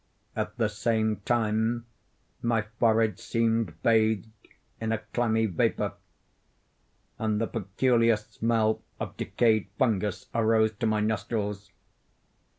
At the same time my forehead seemed bathed in a clammy vapor, and the peculiar smell of decayed fungus arose to my nostrils.